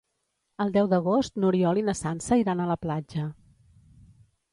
El deu d'agost n'Oriol i na Sança iran a la platja.